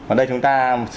và đây chúng ta